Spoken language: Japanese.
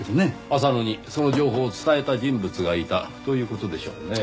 浅野にその情報を伝えた人物がいたという事でしょうねぇ。